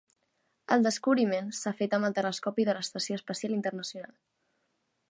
El descobriment s'ha fet amb el telescopi de l'estació espacial internacional